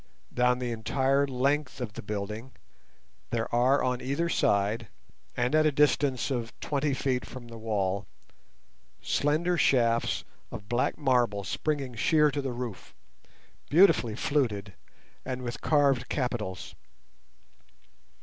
Down the entire length of the building there are on either side, and at a distance of twenty feet from the wall, slender shafts of black marble springing sheer to the roof, beautifully fluted, and with carved capitals.